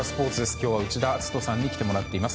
今日は内田篤人さんに来てもらっています。